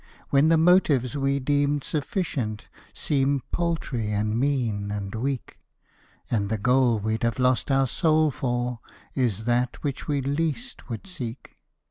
When the motives we deemed sufficient, Seem paltry, and mean, and weak; And the goal we'd have lost our soul for, Is that which we least would seek.